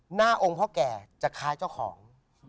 หน้าองค์พ่อแก่จะคล้ายเจ้าของ